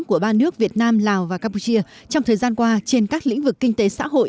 của ba nước việt nam lào và campuchia trong thời gian qua trên các lĩnh vực kinh tế xã hội